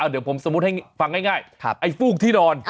เดี๋ยวผมสมมุติให้ฟังง่ายไอ้ฟูกที่นอน